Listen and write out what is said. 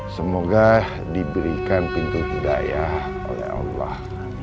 semoga diberikan pintu hidayah oleh allah